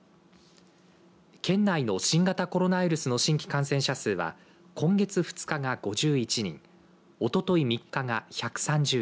県内の新型コロナウイルスの新規感染者数は今月２日が５１人おととい３日が１３０人